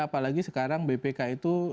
apalagi sekarang bpk itu